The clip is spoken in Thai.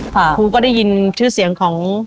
ครูก็ได้ยินชื่อเสียงของ